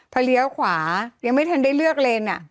พอเลี้ยวขวายังไม่ทันได้เลือกเลน